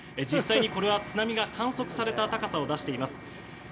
実際に、これは津波が観測された高さを出しています。